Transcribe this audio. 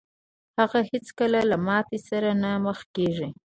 هغه هېڅکله له ماتې سره نه مخ کېږي.